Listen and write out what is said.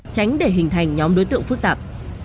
tránh để hình thành nhóm đối tượng phức tạp